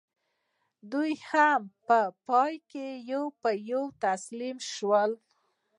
دوی هم په پای کې یو په یو تسلیم شول.